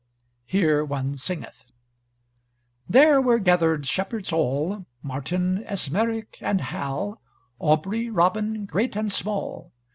Here one singeth: There were gathered shepherds all, Martin, Esmeric, and Hal, Aubrey, Robin, great and small.